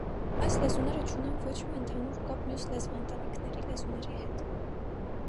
Այս լեզուները չունեն ոչ մի ընդհանուր կապ մյուս լեզվաընտանիքների լեզուների հետ։